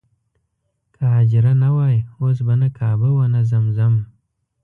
که حاجره نه وای اوس به نه کعبه وه نه زمزم.